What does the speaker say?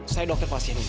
saya dokter pasien ini